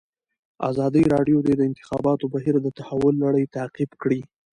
ازادي راډیو د د انتخاباتو بهیر د تحول لړۍ تعقیب کړې.